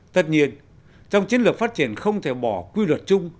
tất nhiên trong chiến lược phát triển không thể bỏ quy luật chung